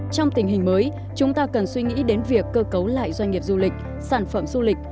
trong tình hình mới chúng ta cần suy nghĩ đến việc cơ cấu lại doanh nghiệp du lịch sản phẩm du lịch